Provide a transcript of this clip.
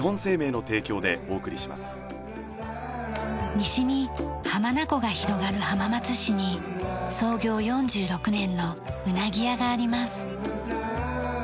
西に浜名湖が広がる浜松市に創業４６年のうなぎ屋があります。